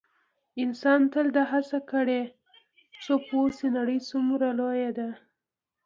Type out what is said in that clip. انسان تل دا هڅه کړې څو پوه شي نړۍ څومره لویه ده.